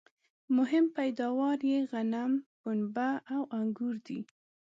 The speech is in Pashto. مهم پیداوار یې غنم ، پنبه او انګور دي